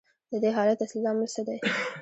د دې حالت اصلي لامل څه دی